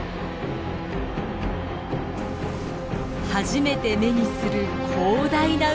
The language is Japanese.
初めて目にする広大な海。